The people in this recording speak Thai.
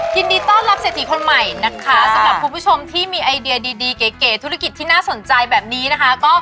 ยินดีต้อนรับเศรษฐีคนใหม่นะคะ